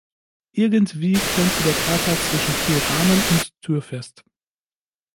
Irgendwie klemmte der Kater zwischen Türrahmen und Tür fest.